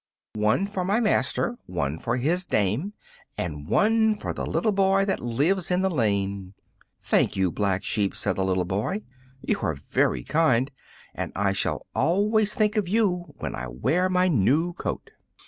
"One for my master, one for his dame, And one for the little boy that lives in the lane." "Thank you, Black Sheep," said the little boy; "you are very kind, and I shall always think of you when I wear my new coat."